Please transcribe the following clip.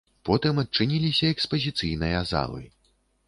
Потым адчыніліся экспазіцыйныя залы.